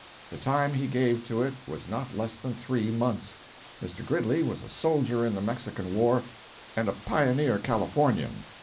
The time he gave to it was not less than three months. Mr. Gridley was a soldier in the Mexican war and a pioneer Californian.